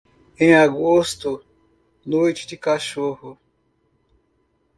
Em agosto, noite de cachorro.